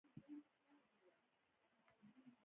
پروټین د بدن د ودې او د عضلاتو د جوړولو لپاره مهم دی